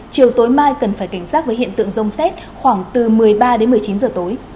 chiều tối mai cần phải cảnh giác với hiện tượng rông xét khoảng từ một mươi ba đến một mươi chín giờ tối